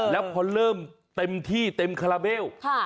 แล้วพอเริ่มเต็มที่เต็มคาราเบล